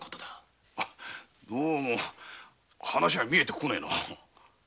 どうも話が見えてこねえな。